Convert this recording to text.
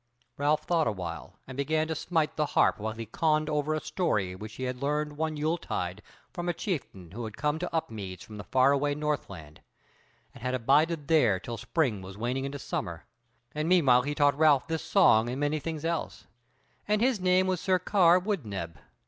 Ralph thought awhile and began to smite the harp while he conned over a song which he had learned one yule tide from a chieftain who had come to Upmeads from the far away Northland, and had abided there till spring was waning into summer, and meanwhile he taught Ralph this song and many things else, and his name was Sir Karr Wood neb.